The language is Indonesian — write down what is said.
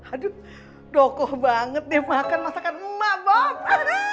aduh dokoh banget dia makan masakan emak bob